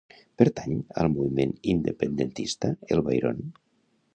Pertany al moviment independentista el Bairon?